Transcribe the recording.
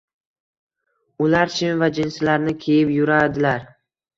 Ular shim va jinsilarni kiyib yuradilar.